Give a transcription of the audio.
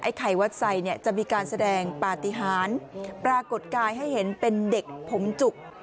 ไข่วัดไซเนี่ยจะมีการแสดงปฏิหารปรากฏกายให้เห็นเป็นเด็กผมจุก